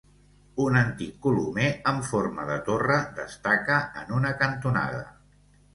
Un antic colomer amb forma de torre destaca en una cantonada.